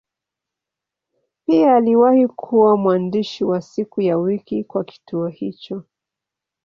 Pia aliwahi kuwa mwandishi wa siku ya wiki kwa kituo hicho.